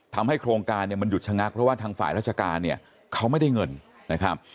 โครงการเนี่ยมันหยุดชะงักเพราะว่าทางฝ่ายราชการเนี่ยเขาไม่ได้เงินนะครับ